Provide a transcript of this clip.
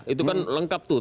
itu kan lengkap tuh